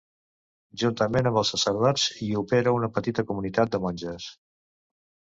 Juntament amb els sacerdots hi opera una petita comunitat de monges.